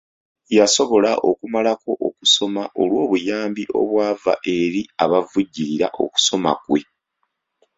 Yasobola okumalako okusoma olw'obuyambi obwava eri abavujjirira okusoma kwe.